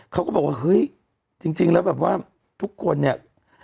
เขาก็บอกว่าเฮ้ยจริงแล้วแบบว่าทุกคนเนี่ย